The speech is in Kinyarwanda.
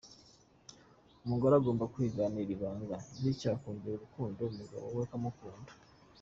Umugore agomba kwigana iri banga bityo akongera urukundo umugabo we amukunda.